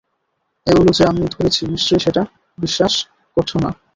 এগুলো যে আমি ধরেছি নিশ্চয়ই সেটা বিশ্বাস করছ না?